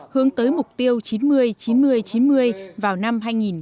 hướng tới mục tiêu chín mươi chín mươi chín mươi vào năm hai nghìn hai mươi